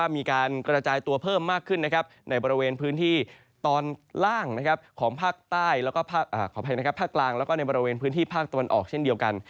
มากขึ้นในบริเวณพื้นที่ตอนล่างของภาคกลางและในบริเวณพื้นที่ภาคตะวันออกเช่นเดียวกัน